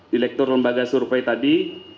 di lektor lembaga survei tadi